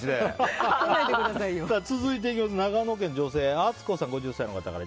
続いて、長野県の女性５０歳の方から。